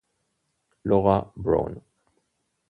Laura Brown